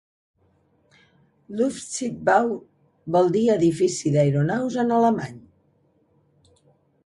'Luftschiffbau' vol dir "edifici d'aeronaus" en alemany.